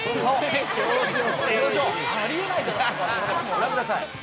ご覧ください。